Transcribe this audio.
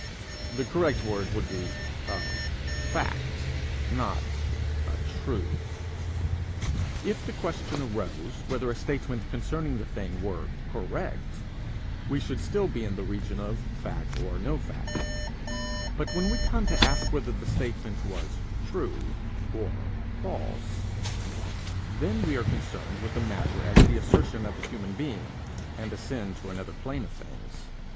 The correct word would be a fact, not a truth. If the question arose whether a statement concerning the thing were correct, we should still be in the region of fact or no fact; but when we come to ask whether the statement was true or false, then we are concerned with the matter as the assertion of a human being, and ascend to another plane of things.